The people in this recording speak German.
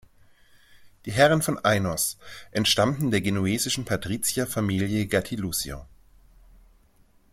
Die Herren von Ainos entstammten der genuesischen Patrizierfamilie Gattilusio.